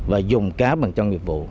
và dùng cá bằng cho nghiệp vụ